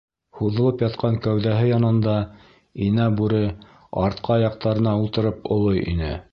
Һуҙылып ятҡан кәүҙәһе янында инә бүре артҡы аяҡтарына ултырып олой ине.